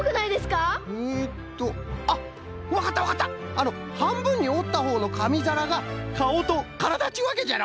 あのはんぶんにおったほうのかみざらがかおとからだっちゅうわけじゃろ？